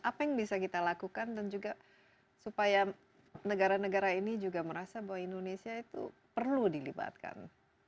apa yang bisa kita lakukan dan juga supaya negara negara ini juga merasa bahwa indonesia itu perlu dilibatkan